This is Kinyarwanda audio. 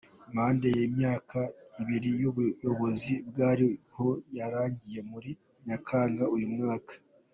Manda y’ imyaka ibiri y’ubuyobozi bwari ho yarangiye muri Nyakanga uyu mwaka.